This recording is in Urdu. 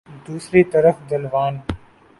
دوسری طرف ڈھلوان